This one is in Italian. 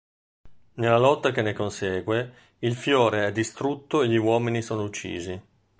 Nella lotta che ne consegue, il fiore è distrutto e gli uomini sono uccisi.